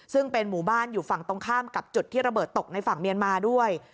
ซึ่งเป็นหมู่บ้านอยู่ฝั่งตรงข้ามกับจุดที่ระเบิดตกในฝั่งเมียนมาด้วย